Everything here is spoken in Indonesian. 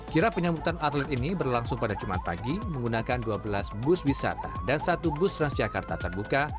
kira penyambutan atlet ini berlangsung pada jumat pagi menggunakan dua belas bus wisata dan satu bus transjakarta terbuka